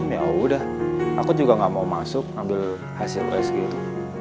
ya udah aku juga gak mau masuk ambil hasil price gitu